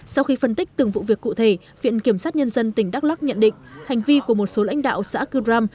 sau khi phân tích từng vụ việc cụ thể viện kiểm sát nhân dân tỉnh đắk lắc nhận định hành vi của một số lãnh đạo xã cư đram